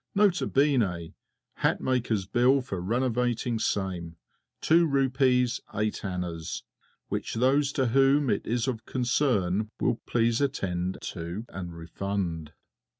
(Nota bene. Hatmaker's bill for renovating same, 2 rupees 8 annas which those to whom it is of concern will please attend to and refund.)